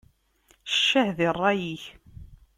Ccah di ṛṛay-ik!